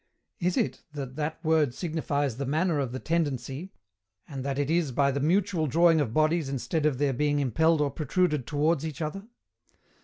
Is it that that word signifies the manner of the tendency, and that it is by the mutual drawing of bodies instead of their being impelled or protruded towards each other?